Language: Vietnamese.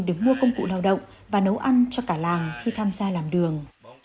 để mua công cụ lao động và nấu ăn cho cả làng khi tham gia làm đường